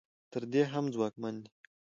تر دې هم ځواکمن دي.